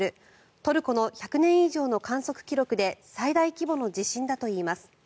トルコの１００年以上の観測記録で最大規模の地震だといいます。